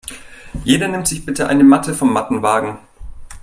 Jeder nimmt sich bitte eine Matte vom Mattenwagen.